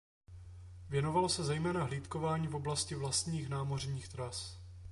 Věnovalo se zejména hlídkování v oblasti vlastních námořních tras.